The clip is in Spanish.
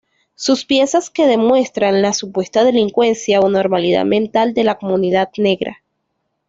Son piezas que demuestran la supuesta delincuencia o anormalidad mental de la comunidad negra.